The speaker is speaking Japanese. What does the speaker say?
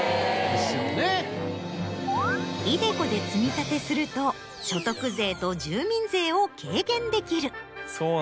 ｉＤｅＣｏで積み立てすると所得税と住民税を軽減できる。